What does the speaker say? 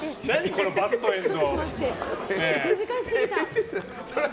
このバッドエンド。